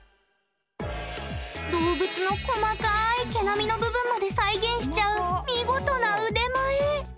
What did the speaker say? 動物の細かい毛並みの部分まで再現しちゃう見事な腕前！